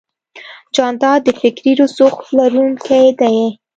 جانداد د فکري رسوخ لرونکی دی.